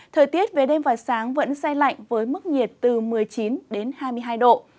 thời tiết về đêm và sáng vẫn say lạnh với mức nhiệt từ một mươi chín đến hai mươi hai độ